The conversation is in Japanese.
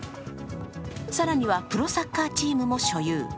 更にはプロサッカーチームも所有。